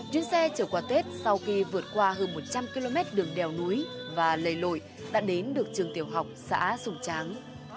chuyến xe chở qua tết sau khi vượt qua hơn một trăm linh km đường đèo núi và lầy lội đã đến được trường tiểu học xã sùng tráng